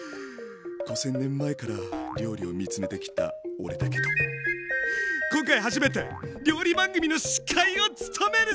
５，０００年前から料理を見つめてきた俺だけど今回初めて料理番組の司会を務めるぜ！